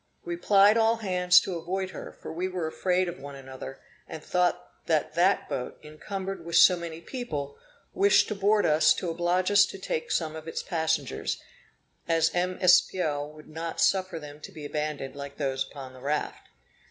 We plied all hands to avoid her, for we were afraid of one another, and thought that that boat, encumbered with so many people, wished to board us to oblige us to take some of its passengers, as M. Espiau would not suffer them to be abandoned like those upon the raft.